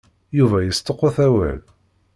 Yuba yesṭuqut awal.